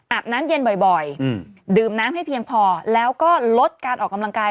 น้ำเย็นบ่อยดื่มน้ำให้เพียงพอแล้วก็ลดการออกกำลังกาย